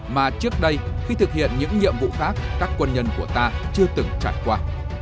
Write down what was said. mà trước đây khi thực hiện những nhiệm vụ khác các quân nhân của ta chưa từng trải qua